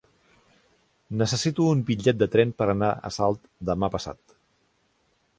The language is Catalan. Necessito un bitllet de tren per anar a Salt demà passat.